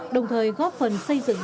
đồng thời góp phần xây dựng